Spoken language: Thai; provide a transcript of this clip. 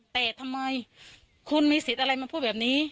แต่ทำไมคุณมีสิทธิ์อะไรมาพูดแบบนี้